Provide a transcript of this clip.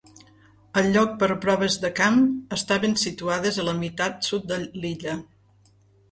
El lloc per a proves de camp estaven situades a la meitat sud de l'illa.